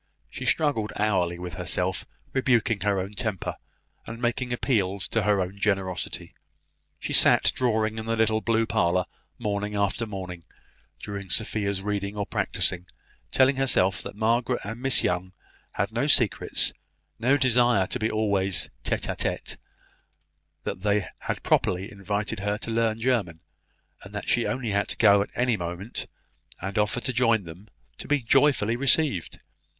She struggled hourly with herself, rebuking her own temper, and making appeals to her own generosity. She sat drawing in the little blue parlour, morning after morning, during Sophia's reading or practising, telling herself that Margaret and Miss Young had no secrets, no desire to be always tete a tete; that they had properly invited her to learn German; and that she had only to go at any moment, and offer to join them, to be joyfully received.